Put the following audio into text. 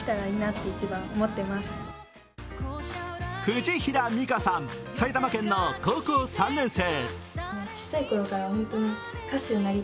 藤平美香さん、埼玉県の高校３年生。